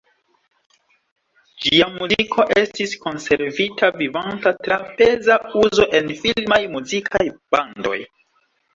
Ĝia muziko estis konservita vivanta tra peza uzo en filmaj muzikaj bandoj.